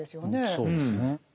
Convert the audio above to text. そうですね。